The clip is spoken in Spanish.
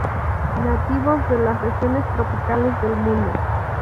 Nativos de las regiones tropicales del mundo.